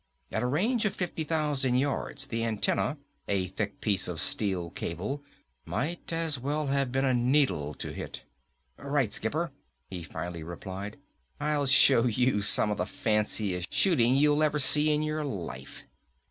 At a range of fifty thousand yards, the antenna, a thick piece of steel cable, might as well have been a needle to hit. "Right, skipper," he finally replied. "I'll show you some of the fanciest shooting you'll ever see in your life!"